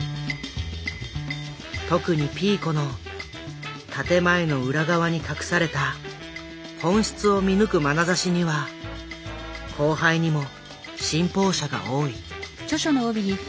特にピーコの建て前の裏側に隠された本質を見抜くまなざしには後輩にも信奉者が多い。